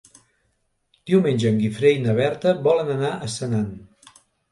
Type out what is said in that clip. Diumenge en Guifré i na Berta volen anar a Senan.